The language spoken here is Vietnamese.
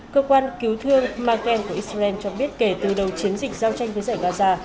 cơ quan cứu thương men của israel cho biết kể từ đầu chiến dịch giao tranh với giải gaza